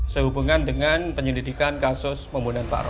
sehubungan dengan penyelidikan kasus pembunuhan